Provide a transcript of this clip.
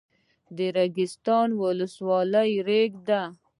ریګستان ولسوالۍ ریګي ده؟